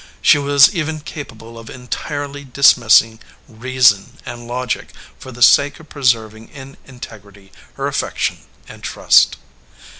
She was even capable of entirely dismissing reason and logic for the sake of preserving in integrity her affection and trust.